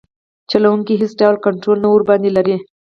چلوونکي یې هیڅ ډول کنټرول نه ورباندې لري.